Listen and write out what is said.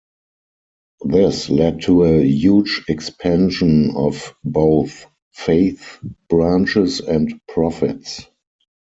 This led to a huge expansion of both Faith branches and profits.